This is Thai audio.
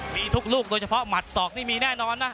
มีทุกลูกโดยเฉพาะหมัดศอกนี่มีแน่นอนนะ